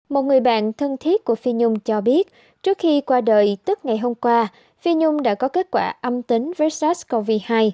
một người bạn thân thiết của phi nhung cho biết trước khi qua đời tức ngày hôm qua phi nhung đã có kết quả âm tính với sars cov hai